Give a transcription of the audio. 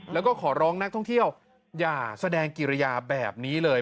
แล้วก็ขอร้องนักท่องเที่ยวอย่าแสดงกิริยาแบบนี้เลย